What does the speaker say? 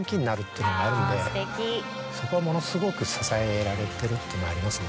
そこはものすごく支えられてるっていうのありますね。